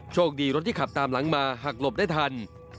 คดีรถที่ขับตามหลังมาหักหลบได้ทัน